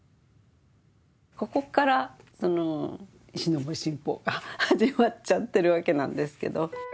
ここから石森信奉が始まっちゃってるわけなんですけど。